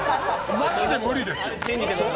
マジで無理です。